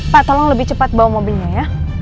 pak tolong lebih cepat bawa mobilnya ya